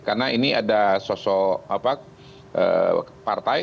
karena ini ada sosok partai